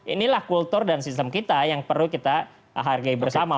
inilah kultur dan sistem kita yang perlu kita hargai bersama